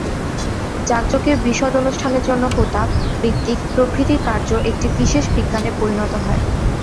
যাগযজ্ঞের বিশদ অনুষ্ঠানের জন্য হোতা, ঋত্বিক প্রভৃতির কার্য একটি বিশেষ বিজ্ঞানে পরিণত হয়।